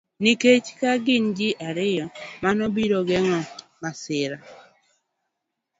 Nikech ka gin ji ariyo, mano biro geng'o masir